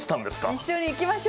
一緒に行きましょうよ。